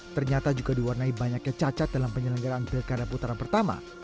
ternyata juga diwarnai banyaknya cacat dalam penyelenggaraan pilkada putaran pertama